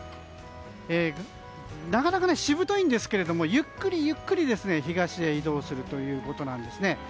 なかなか、しぶといんですけどもゆっくり、ゆっくり東へ移動するということなんです。